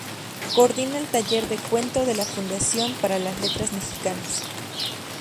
Coordina el taller de cuento de la Fundación para las Letras Mexicanas.